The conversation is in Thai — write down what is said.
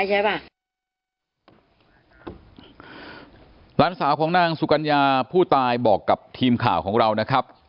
หลานสาวของนางสุกัญญาผู้ตายบอกกับทีมข่าวของเรานะครับ